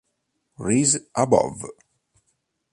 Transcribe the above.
Rise Above